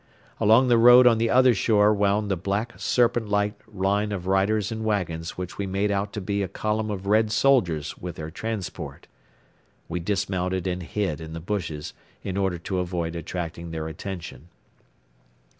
Along the road on the other shore wound the black serpent like line of riders and wagons which we made out to be a column of Red soldiers with their transport. We dismounted and hid in the bushes in order to avoid attracting their attention.